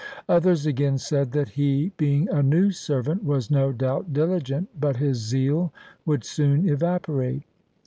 Others again said that he being a new servant was no doubt diligent, but his zeal would soon evaporate.